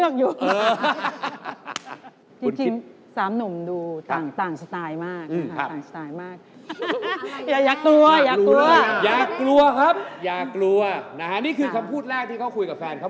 คำถามของพี่สุก็คือว่า